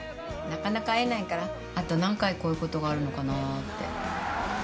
なかなか会えないからあと何回こういうことがあるのかなって。